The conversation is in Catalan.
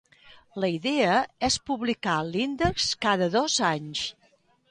La idea és publicar l'index cada dos anys.